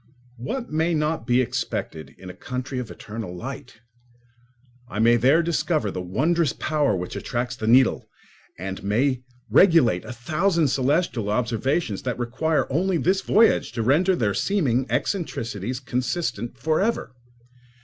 What may not be expected in a country of eternal light? I may there discover the wondrous power which attracts the needle and may regulate a thousand celestial observations that require only this voyage to render their seeming eccentricities consistent for ever.